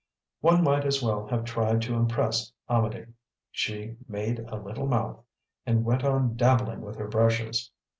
One might as well have tried to impress Amedee. She "made a little mouth" and went on dabbling with her brushes.